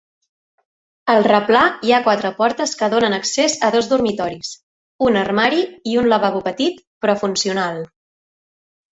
Al replà hi ha quatre portes que donen accés a dos dormitoris, un armari i un lavabo petit però funcional.